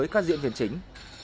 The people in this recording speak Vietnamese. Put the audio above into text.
các diễn viên chính